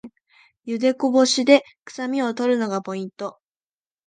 ゆでこぼしでくさみを取るのがポイント